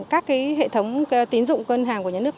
các hệ thống tín dụng ngân hàng của nhà nước